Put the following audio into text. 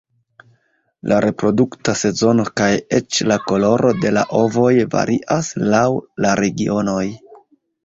La reprodukta sezono kaj eĉ la koloro de la ovoj varias laŭ la regionoj.